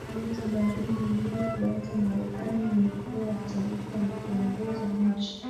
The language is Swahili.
vita baridi iliyofuata Marekani ilikuwa taifa la kuongoza nchi